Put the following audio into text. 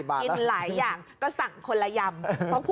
กินหลายอย่างก็สั่งคนละยำ